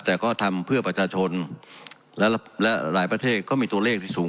แต่ก็ทำเพื่อประชาชนและหลายประเทศก็มีตัวเลขที่สูง